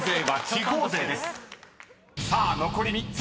［さあ残り３つ。